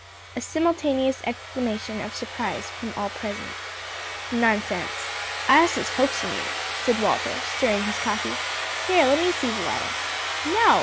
A simultaneous exclamation of surprise from all present. "Nonsense, Isa's hoaxing you," said Walter, stirring his coffee. "Here, let me see the letter." "No.